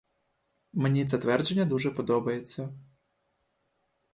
Мені це твердження дуже подобається.